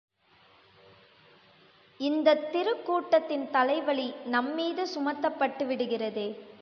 இந்தத் திருக்கூட்டத்தின் தலைவலி நம்மீது சுமத்தப்பட்டுவிடுகிறதே!...